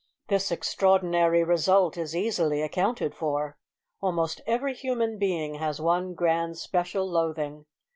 This extraordinary result is easily accounted for. Almost every human being has one grand special loathing.